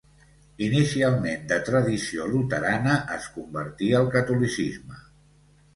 Inicialment de tradició luterana, es convertí al catolicisme.